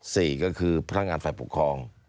สี่ก็คือพนักงานฝ่ายปกครอง